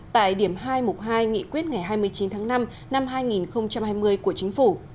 tại điểm hai mục hai nghị quyết ngày hai mươi chín tháng năm năm hai nghìn hai mươi của chính phủ